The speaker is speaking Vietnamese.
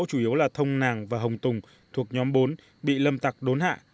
chủ yếu là thông nàng và hồng tùng thuộc nhóm bốn bị lâm tặc đốn hạ